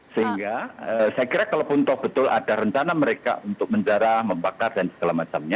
sehingga saya kira kalau pun tahu betul ada rencana mereka untuk menjarah membakar dan segala macamnya